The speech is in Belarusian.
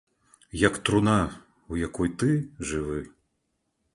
Як труна, у якой ты жывы.